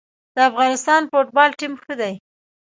د افغانستان فوتبال ټیم ښه دی